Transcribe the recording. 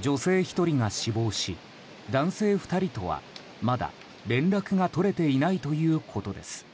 女性１人が死亡し男性２人とはまだ連絡が取れていないということです。